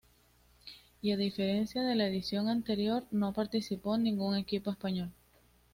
Y a diferencia de la edición anterior, no participó ningún equipo español.